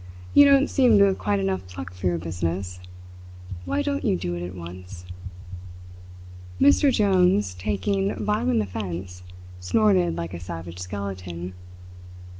"You don't seem to have quite enough pluck for your business. Why don't you do it at once?" Mr Jones, taking violent offence, snorted like a savage skeleton.